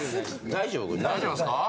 大丈夫ですか？